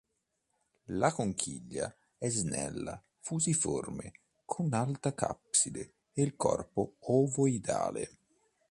La conchiglia è snella fusiforme con alta cuspide e il corpo ovoidale.